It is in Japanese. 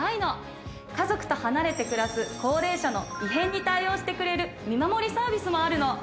家族と離れて暮らす高齢者の異変に対応してくれる見守りサービスもあるの。